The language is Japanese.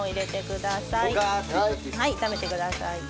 はい炒めてください。